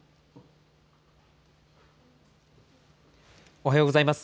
おはようございます。